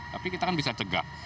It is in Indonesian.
tapi kita kan bisa cegah